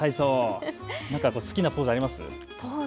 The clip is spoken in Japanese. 好きなポーズありますか。